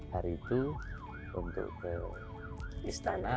hari itu untuk ke istana